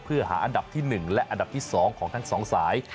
เพื่อหาอันดับที่๑และอันดับที่๒ของทั้ง๒สาย